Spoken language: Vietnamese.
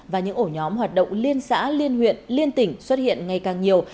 và những ổ nhóm hoạt động liên xã liên huyện liên tỉnh xuất hiện ngày càng nhiều